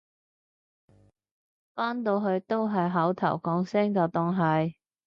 返到去都係口頭講聲就當係